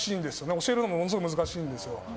教えるのもものすごい難しいんですよ。